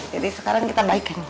jadi sekarang kita baikan nih